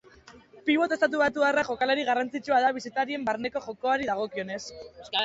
Pibot estatubatuarra jokalari garrantzitsua da bisitarien barneko jokoari dagokionez.